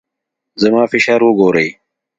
زما فشار وګورئ.